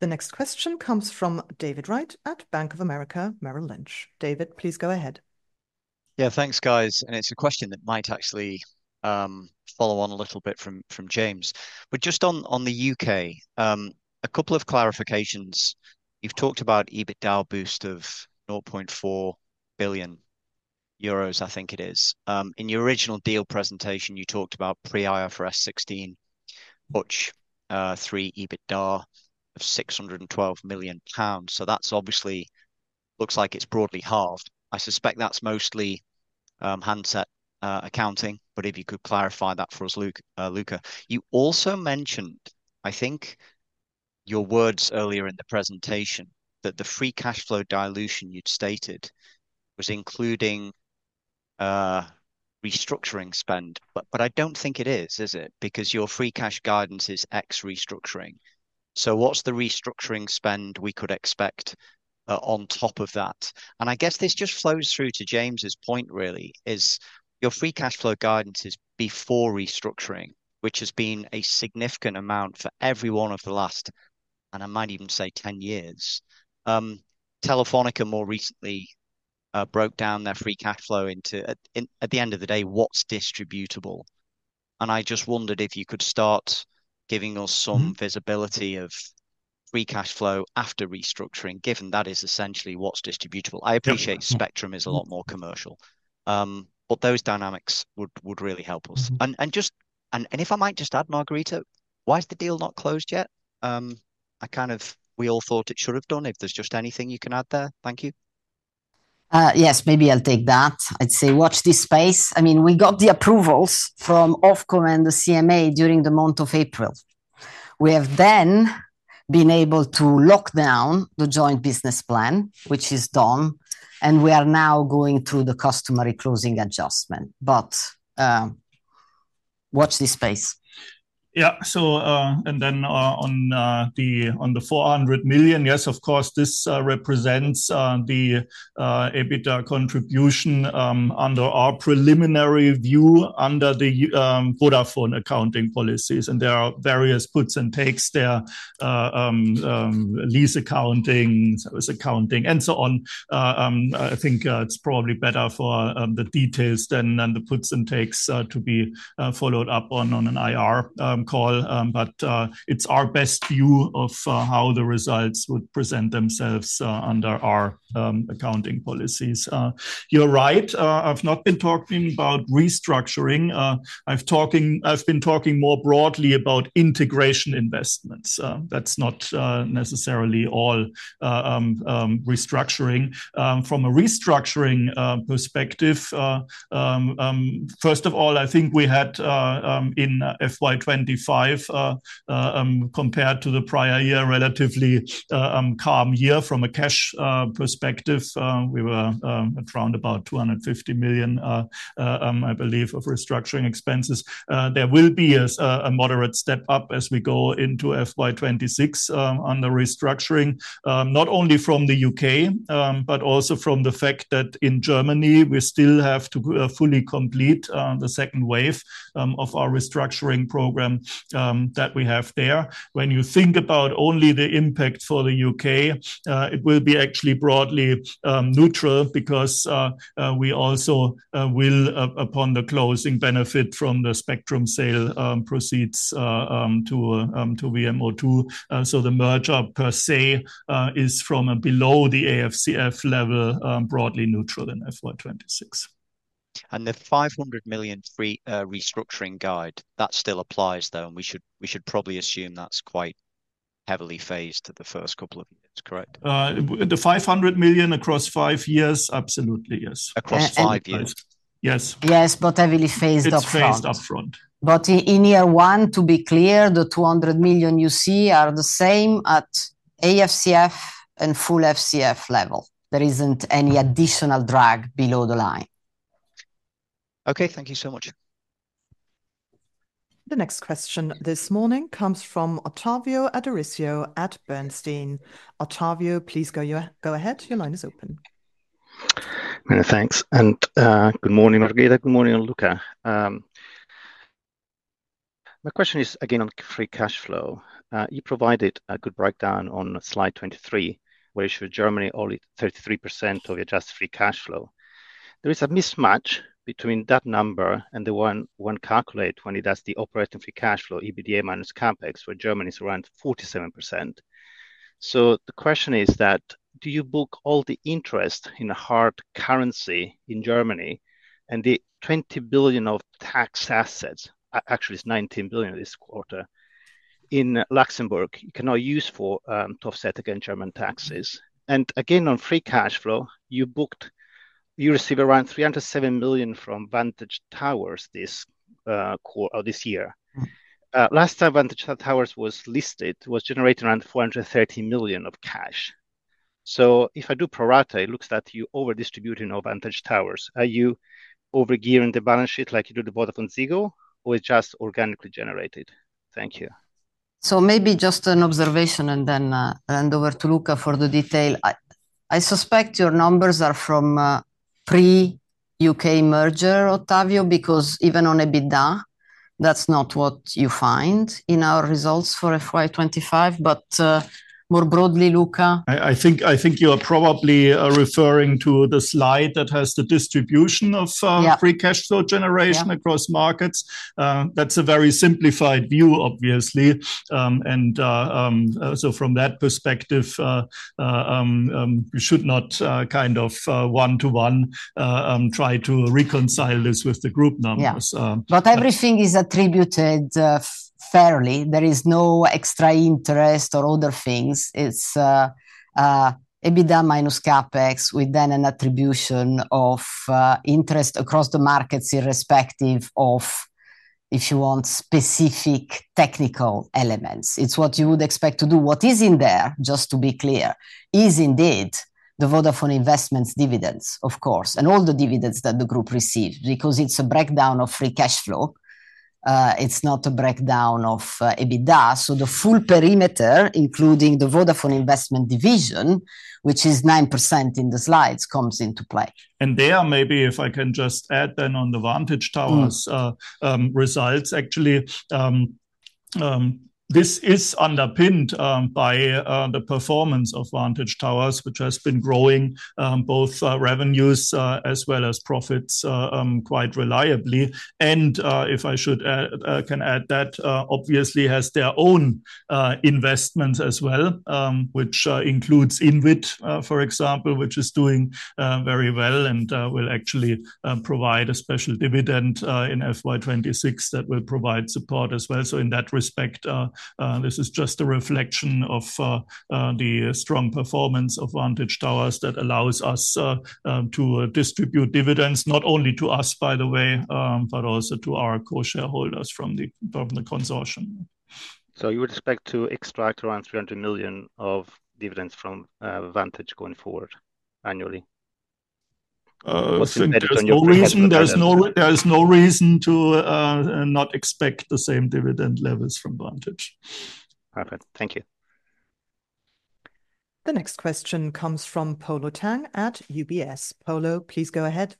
The next question comes from David Wright at Bank of America Merrill Lynch. David, please go ahead. Yeah, thanks, guys. It's a question that might actually follow on a little bit from James. Just on the U.K., a couple of clarifications. You've talked about EBITDA boost of 0.4 billion euros, I think it is. In your original deal presentation, you talked about pre-IFRS 16 putch three EBITDA of 612 million pounds. That obviously looks like it's broadly halved. I suspect that's mostly handset accounting. If you could clarify that for us, Luka. You also mentioned, I think, your words earlier in the presentation that the free cash flow dilution you'd stated was including restructuring spend. I don't think it is, is it? Because your free cash guidance is ex-restructuring. What's the restructuring spend we could expect on top of that? I guess this just flows through to James's point, really, is your free cash flow guidance is before restructuring, which has been a significant amount for every one of the last, and I might even say 10 years. Telefonica more recently broke down their free cash flow into at the end of the day, what's distributable? I just wondered if you could start giving us some visibility of free cash flow after restructuring, given that is essentially what's distributable. I appreciate Spectrum is a lot more commercial. Those dynamics would really help us. If I might just add, Margherita, why is the deal not closed yet? I kind of we all thought it should have done. If there's just anything you can add there, thank you. Yes, maybe I'll take that. I'd say watch this space. I mean, we got the approvals from Ofcom and the CMA during the month of April. We have then been able to lock down the joint business plan, which is done. We are now going through the customer closing adjustment. Watch this space. Yeah. On the 400 million, yes, of course, this represents the EBITDA contribution under our preliminary view under the Vodafone accounting policies. There are various puts and takes there, lease accounting, service accounting, and so on. I think it's probably better for the details and the puts and takes to be followed up on an IR call. It's our best view of how the results would present themselves under our accounting policies. You're right. I've not been talking about restructuring. I've been talking more broadly about integration investments. That's not necessarily all restructuring. From a restructuring perspective, first of all, I think we had in FY 2025, compared to the prior year, a relatively calm year. From a cash perspective, we were at around 250 million, I believe, of restructuring expenses. There will be a moderate step up as we go into FY2026 on the restructuring, not only from the U.K., but also from the fact that in Germany, we still have to fully complete the second wave of our restructuring program that we have there. When you think about only the impact for the U.K., it will be actually broadly neutral because we also will, upon the closing, benefit from the spectrum sale proceeds to VMO2. So the merger per se is from below the AFCF level, broadly neutral in FY2026. The 500 million free restructuring guide, that still applies, though. We should probably assume that's quite heavily phased at the first couple of years, correct? The 500 million across five years, absolutely, yes. Across five years. Yes. Yes, but heavily phased upfront. Phased upfront. In year one, to be clear, the 200 million you see are the same at AFCF and full FCF level. There is not any additional drag below the line. Okay. Thank you so much. The next question this morning comes from Ottavio Adorisio at Bernstein. Octavio, please go ahead. Your line is open. Thanks. Good morning, Margherita. Good morning, Luka. My question is again on free cash flow. You provided a good breakdown on slide 23, where you show Germany only 33% of adjusted free cash flow. There is a mismatch between that number and the one calculated when it has the operating free cash flow, EBITDA minus CapEx, where Germany is around 47%. The question is that do you book all the interest in a hard currency in Germany and the 20 billion of tax assets? Actually, it is 19 billion this quarter in Luxembourg you can now use to offset against German taxes. Again, on free cash flow, you received around 307 million from Vantage Towers this year. Last time, Vantage Towers was listed, was generating around 430 million of cash. If I do pro rata, it looks that you are over-distributing on Vantage Towers. Are you over-gearing the balance sheet like you do the VodafoneZiggo or it's just organically generated? Thank you. Maybe just an observation and then hand over to Luka for the detail. I suspect your numbers are from pre-U.K. merger, Octavio, because even on EBITDA, that is not what you find in our results for FY 2025. More broadly, Luka. I think you are probably referring to the slide that has the distribution of free cash flow generation across markets. That is a very simplified view, obviously. From that perspective, we should not kind of one-to-one try to reconcile this with the group numbers. Everything is attributed fairly. There is no extra interest or other things. It is EBITDA minus CapEx with then an attribution of interest across the markets irrespective of, if you want, specific technical elements. It is what you would expect to do. What is in there, just to be clear, is indeed the Vodafone Investments dividends, of course, and all the dividends that the group receives because it is a breakdown of free cash flow. It is not a breakdown of EBITDA. The full perimeter, including the Vodafone Investments division, which is 9% in the slides, comes into play. If I can just add then on the Vantage Towers results, actually, this is underpinned by the performance of Vantage Towers, which has been growing both revenues as well as profits quite reliably. If I can add that, obviously, has their own investments as well, which includes Inwit, for example, which is doing very well and will actually provide a special dividend in fiscal year 2026 that will provide support as well. In that respect, this is just a reflection of the strong performance of Vantage Towers that allows us to distribute dividends, not only to us, by the way, but also to our co-shareholders from the consortium. You would expect to extract around 300 million of dividends from Vantage going forward annually? There's no reason to not expect the same dividend levels from Vantage. Perfect. Thank you. The next question comes from Polo Tang at UBS. Polo, please go ahead.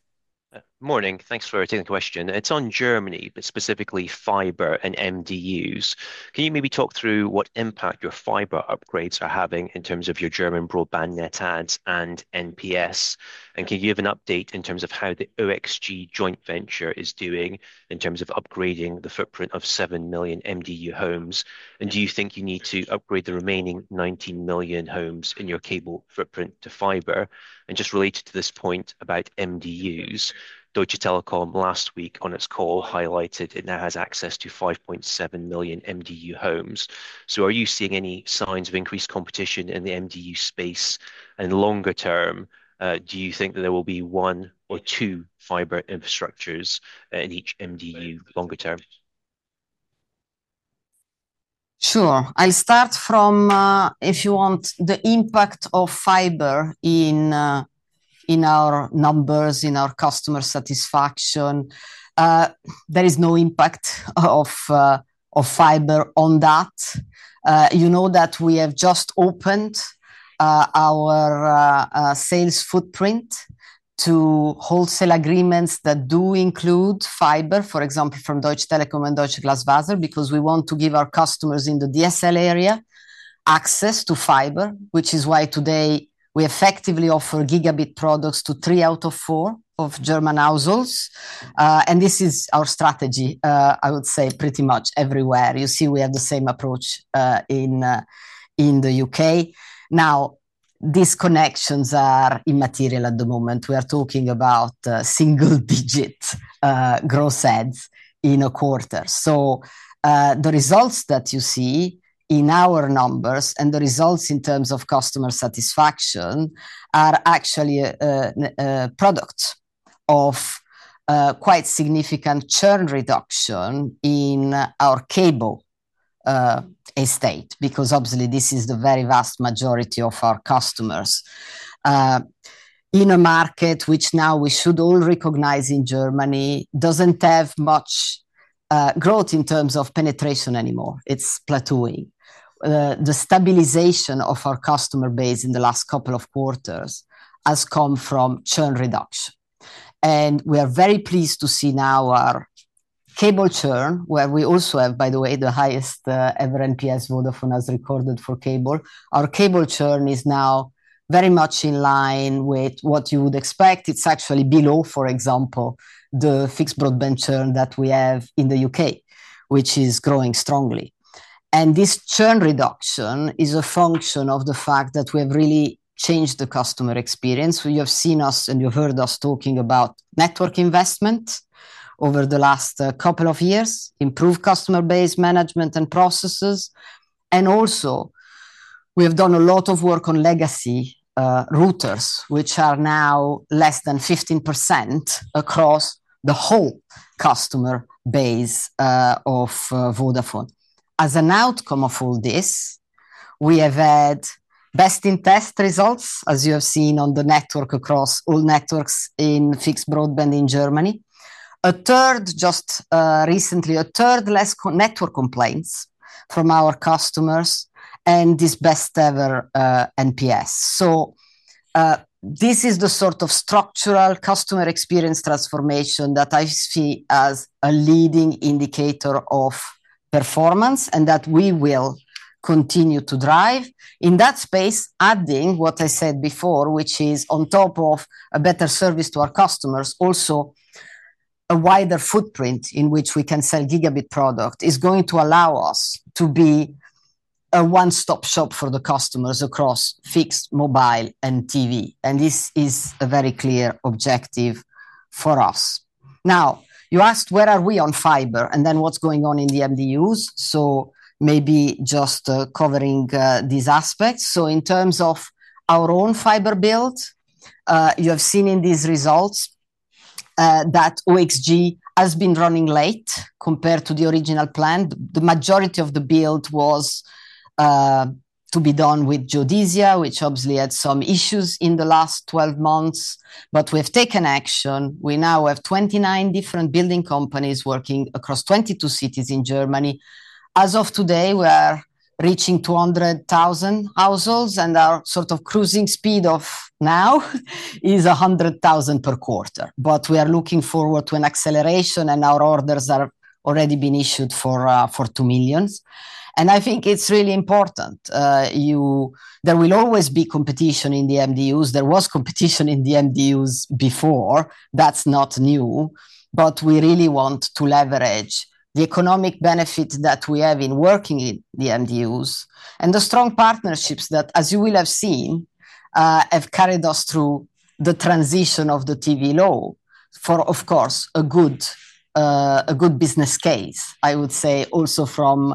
Morning. Thanks for taking the question. It's on Germany, but specifically fiber and MDUs. Can you maybe talk through what impact your fiber upgrades are having in terms of your German broadband net adds and NPS? Can you give an update in terms of how the OXG joint venture is doing in terms of upgrading the footprint of 7 million MDU homes? Do you think you need to upgrade the remaining 19 million homes in your cable footprint to fiber? Just related to this point about MDUs, Deutsche Telekom last week on its call highlighted it now has access to 5.7 million MDU homes. Are you seeing any signs of increased competition in the MDU space? Longer term, do you think that there will be one or two fiber infrastructures in each MDU longer term? Sure. I'll start from, if you want, the impact of fiber in our numbers, in our customer satisfaction. There is no impact of fiber on that. You know that we have just opened our sales footprint to wholesale agreements that do include fiber, for example, from Deutsche Telekom and Deutsche Glasfaser, because we want to give our customers in the DSL area access to fiber, which is why today we effectively offer gigabit products to three out of four of German households. This is our strategy, I would say, pretty much everywhere. You see, we have the same approach in the U.K. Now, these connections are immaterial at the moment. We are talking about single-digit gross adds in a quarter. The results that you see in our numbers and the results in terms of customer satisfaction are actually products of quite significant churn reduction in our cable estate because, obviously, this is the very vast majority of our customers in a market which now we should all recognize in Germany does not have much growth in terms of penetration anymore. It is plateauing. The stabilization of our customer base in the last couple of quarters has come from churn reduction. We are very pleased to see now our cable churn, where we also have, by the way, the highest-ever NPS Vodafone has recorded for cable. Our cable churn is now very much in line with what you would expect. It is actually below, for example, the fixed broadband churn that we have in the U.K., which is growing strongly. This churn reduction is a function of the fact that we have really changed the customer experience. You have seen us and you have heard us talking about network investment over the last couple of years, improved customer base management and processes. We have also done a lot of work on legacy routers, which are now less than 15% across the whole customer base of Vodafone. As an outcome of all this, we have had best-in-test results, as you have seen on the network across all networks in fixed broadband in Germany, just recently, a third less network complaints from our customers and this best-ever NPS. This is the sort of structural customer experience transformation that I see as a leading indicator of performance and that we will continue to drive. In that space, adding what I said before, which is on top of a better service to our customers, also a wider footprint in which we can sell gigabit product is going to allow us to be a one-stop shop for the customers across fixed, mobile, and TV. This is a very clear objective for us. You asked, where are we on fiber and then what's going on in the MDUs? Maybe just covering these aspects. In terms of our own fiber build, you have seen in these results that OXG has been running late compared to the original plan. The majority of the build was to be done with Geodesia, which obviously had some issues in the last 12 months. We have taken action. We now have 29 different building companies working across 22 cities in Germany. As of today, we are reaching 200,000 households, and our sort of cruising speed of now is 100,000 per quarter. We are looking forward to an acceleration, and our orders have already been issued for 2 million. I think it is really important. There will always be competition in the MDUs. There was competition in the MDUs before. That is not new. We really want to leverage the economic benefit that we have in working in the MDUs and the strong partnerships that, as you will have seen, have carried us through the transition of the TV law for, of course, a good business case, I would say, also from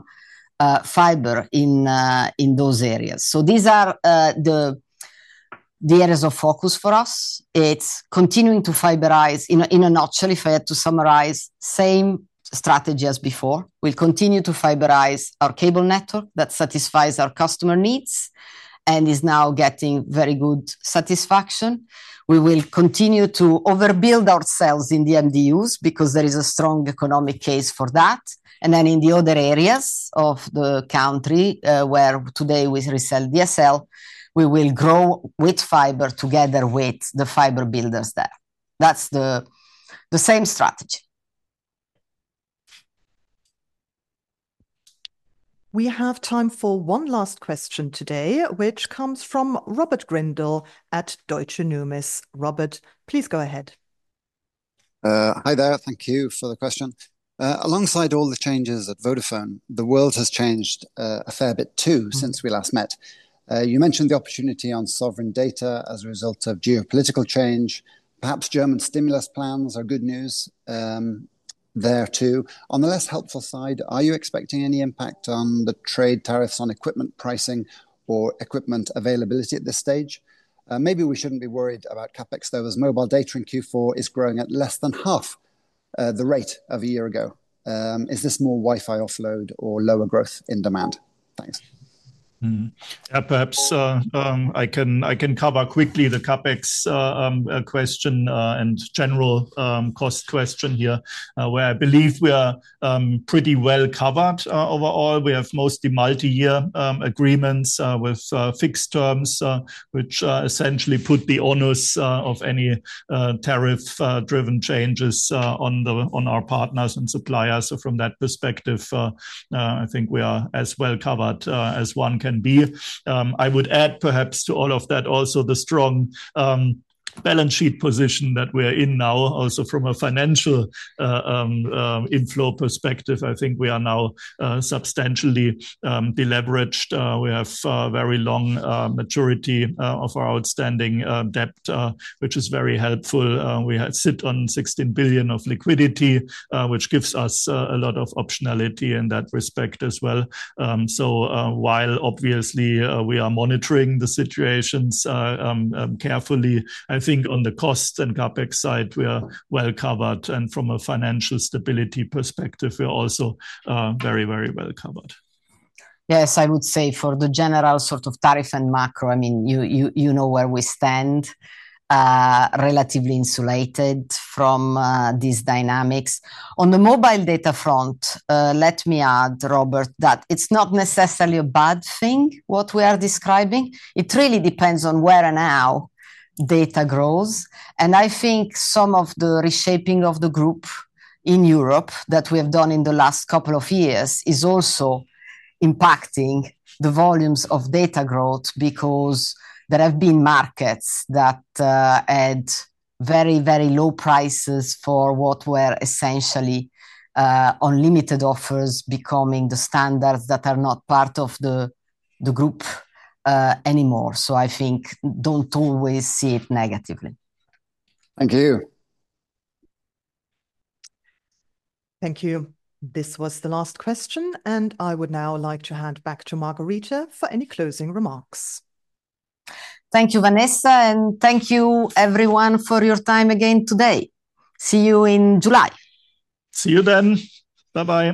fiber in those areas. These are the areas of focus for us. It is continuing to fiberize in a nutshell. If I had to summarize, same strategy as before. will continue to fiberize our cable network that satisfies our customer needs and is now getting very good satisfaction. We will continue to overbuild ourselves in the MDUs because there is a strong economic case for that. In the other areas of the country where today we resell DSL, we will grow with fiber together with the fiber builders there. That is the same strategy. We have time for one last question today, which comes from Robert Grindle at Deutsche Numis. Robert, please go ahead. Hi there. Thank you for the question. Alongside all the changes at Vodafone, the world has changed a fair bit too since we last met. You mentioned the opportunity on sovereign data as a result of geopolitical change. Perhaps German stimulus plans are good news there too. On the less helpful side, are you expecting any impact on the trade tariffs on equipment pricing or equipment availability at this stage? Maybe we shouldn't be worried about CapEx, though, as mobile data in Q4 is growing at less than half the rate of a year ago. Is this more Wi-Fi offload or lower growth in demand? Thanks. Perhaps I can cover quickly the CapEx question and general cost question here, where I believe we are pretty well covered overall. We have mostly multi-year agreements with fixed terms, which essentially put the onus of any tariff-driven changes on our partners and suppliers. From that perspective, I think we are as well covered as one can be. I would add perhaps to all of that also the strong balance sheet position that we are in now. Also, from a financial inflow perspective, I think we are now substantially deleveraged. We have a very long maturity of our outstanding debt, which is very helpful. We sit on 16 billion of liquidity, which gives us a lot of optionality in that respect as well. While obviously we are monitoring the situations carefully, I think on the cost and CapEx side, we are well covered. From a financial stability perspective, we are also very, very well covered. Yes, I would say for the general sort of tariff and macro, I mean, you know where we stand, relatively insulated from these dynamics. On the mobile data front, let me add, Robert, that it's not necessarily a bad thing what we are describing. It really depends on where and how data grows. I think some of the reshaping of the group in Europe that we have done in the last couple of years is also impacting the volumes of data growth because there have been markets that had very, very low prices for what were essentially unlimited offers becoming the standards that are not part of the group anymore. I think do not always see it negatively. Thank you. Thank you. This was the last question. I would now like to hand back to Margherita for any closing remarks. Thank you, Vanessa. Thank you, everyone, for your time again today. See you in July. See you then. Bye-bye.